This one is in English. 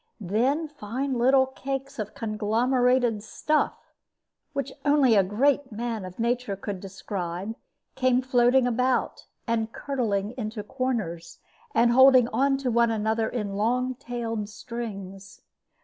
Then fine little cakes of conglomerated stuff, which only a great man of nature could describe, came floating about, and curdling into corners, and holding on to one another in long tailed strings.